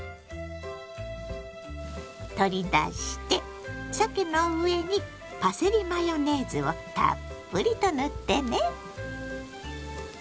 取り出してさけの上にパセリマヨネーズをたっぷりと塗ってね。